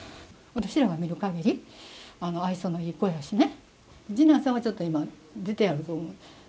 私らが見るかぎり、愛想のいい子やしね、次男さんはちょっと今、出てはるから。